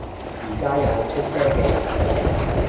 而家有出聲嘅人